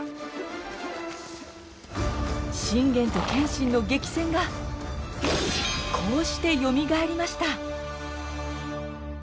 信玄と謙信の激戦がこうしてよみがえりました。